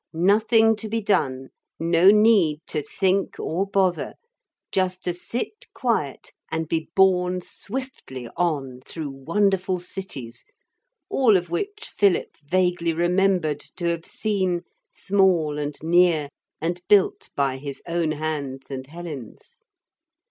Nothing to be done; no need to think or bother. Just to sit quiet and be borne swiftly on through wonderful cities, all of which Philip vaguely remembered to have seen, small and near, and built by his own hands and Helen's.